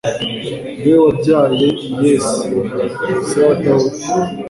ni we wabyaye yese, se wa dawudi